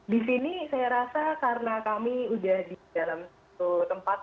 di sini saya rasa karena kami udah di dalam satu tempat